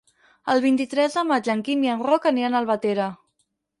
El vint-i-tres de maig en Quim i en Roc aniran a Albatera.